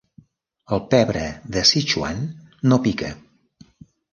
El pebre de Sichuan no pica.